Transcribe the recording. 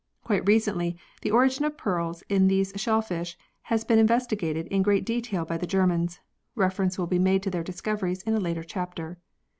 Quite recently the origin of pearls in these shellfish has been investigated in great detail by the Germans : reference will be made to their discoveries in a later chapter.